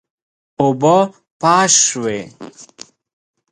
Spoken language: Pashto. اوبه پاش شوې.